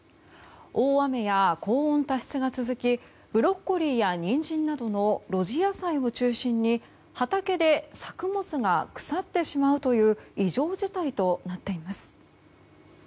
大雨や高温多湿が続きブロッコリーやニンジンなどの露地野菜を中心に畑で作物が腐ってしまうという異常事態となっています。